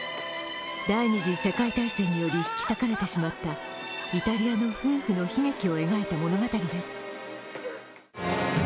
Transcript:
第二次世界大戦により引き裂かれてしまったイタリアの夫婦の悲劇を描いた物語です。